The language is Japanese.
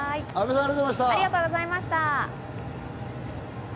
阿部さん、ありがとうございました。